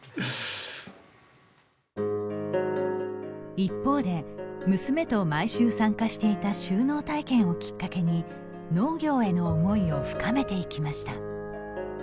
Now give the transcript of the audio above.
一方で、娘と毎週参加していた就農体験をきっかけに農業への思いを深めていきました。